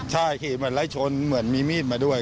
ใช่ขี่เหมือนไล่ชนเหมือนมีมีดมาด้วย